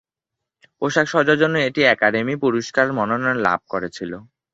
পোশাক সজ্জার জন্য এটি একাডেমি পুরস্কার মনোনয়ন লাভ করেছিল।